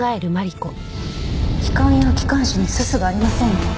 気管や気管支にすすがありませんね。